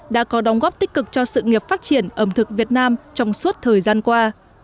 đã có đóng góp tích cực cho sự nghiệp phát triển ẩm thực việt nam trong suốt thời gian qua